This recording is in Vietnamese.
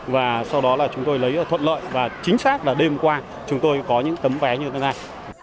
và sau đó là chúng tôi lấy thuận lợi và chính xác là đêm qua chúng tôi có những tấm vé như thế này